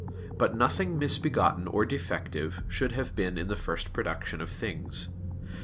But nothing misbegotten or defective should have been in the first production of things.